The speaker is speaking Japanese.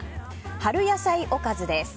春野菜おかずです。